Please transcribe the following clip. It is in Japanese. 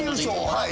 はい。